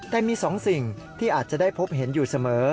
แต่มี๒สิ่งที่อาจจะได้พบเห็นอยู่เสมอ